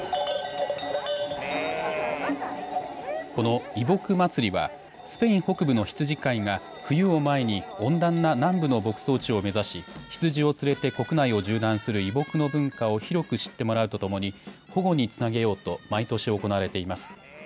この移牧祭りはスペイン北部の羊飼いが冬を前に温暖な南部の牧草地を目指し羊を連れて国内を縦断する移牧の文化を広く知ってもらうとともに保護につなげようと毎年行われています。